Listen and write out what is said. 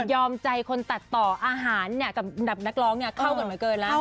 ยอมใจคนตัดต่ออาหารเนี่ยกับนักร้องเนี่ยเข้ากันมาเกินแล้ว